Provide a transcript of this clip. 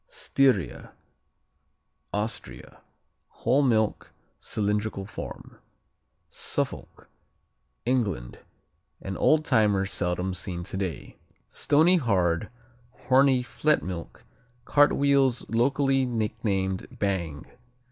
Styria Austria Whole milk. Cylindrical form. Suffolk England An old timer, seldom seen today. Stony hard, horny "flet milk" cartwheels locally nicknamed "bang."